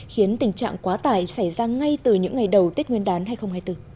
khiến tình trạng quá tải xảy ra ngay từ những ngày đầu tết nguyên đán hai nghìn hai mươi bốn